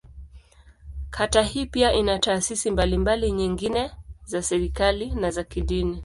Kata hii pia ina taasisi mbalimbali nyingine za serikali, na za kidini.